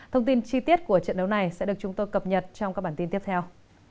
thông tin chi tiết của trận đấu này sẽ được chúng tôi cập nhật trong các bản tin tiếp theo